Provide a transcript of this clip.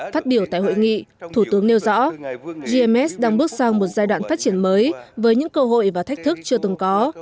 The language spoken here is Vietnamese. phát biểu tại hội nghị thủ tướng nêu rõ gms đang bước sang một giai đoạn phát triển mới với những cơ hội và thách thức chưa từng có